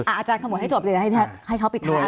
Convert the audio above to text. อาจารย์ข้าหมดให้จบเลยให้เขาปิดท่า